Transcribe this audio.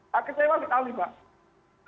saya kecewa sekali mbak